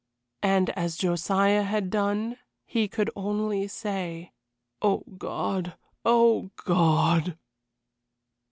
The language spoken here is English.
And as Josiah had done, he could only say: "Oh, God! Oh, God!"